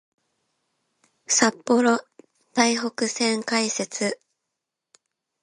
札幌・台北線開設